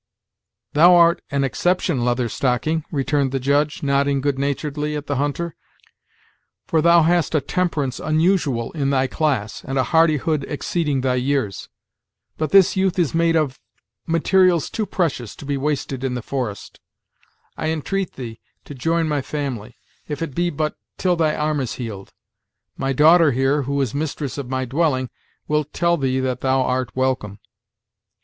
"Thou art an exception, Leather Stocking," returned the Judge, nodding good naturedly at the hunter; "for thou hast a temperance unusual in thy class, and a hardihood exceeding thy years. But this youth is made of materials too precious to be wasted in the forest I entreat thee to join my family, if it be but till thy arm is healed. My daughter here, who is mistress of my dwelling, wilt tell thee that thou art welcome."